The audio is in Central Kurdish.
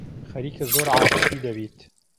خەریکە زۆر عاتیفی دەبیت.